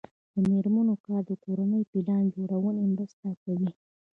د میرمنو کار د کورنۍ پلان جوړونې مرسته کوي.